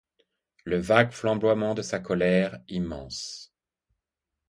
Le vague flamboiement de sa colère, immense.